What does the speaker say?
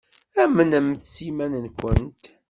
Amnemt s yiman-nkent.